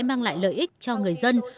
một bộ phòng người dân